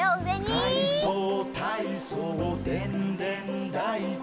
「かいそうたいそうでんでんだいこ」